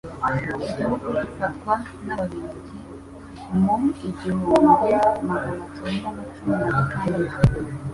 igihugu gifatwa n'Ababiligi mu igihumbi maganacyenda na cumi nagatandatu